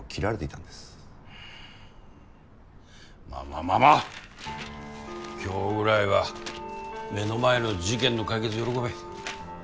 まあまあ今日ぐらいは目の前の事件の解決を喜べ。